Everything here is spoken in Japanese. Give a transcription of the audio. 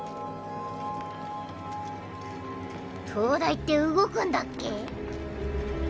灯台って動くんだっけ？